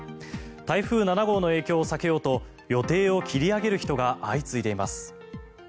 台風７号の影響を避けようと予定を切り上げる人が相次いでいます。